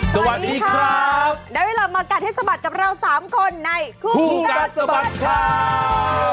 สวัสดีครับได้เวลามากัดให้สะบัดกับเราสามคนในคู่กัดสะบัดข่าว